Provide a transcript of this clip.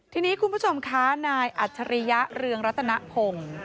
ทีนี้คุณผู้ชมคะนายอัจฉริยะเรืองรัตนพงศ์